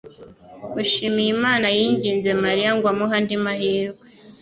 Mushimiyimana yinginze Mariya ngo amuhe andi mahirwe.